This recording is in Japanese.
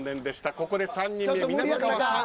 ここで３人目、みなみかわさん